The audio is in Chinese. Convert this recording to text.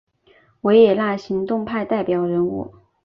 维也纳行动派代表人物。